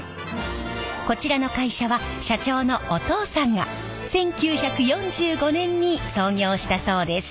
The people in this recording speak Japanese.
こちらの会社は社長のお父さんが１９４５年に創業したそうです。